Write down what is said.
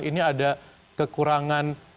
ini ada kekurangan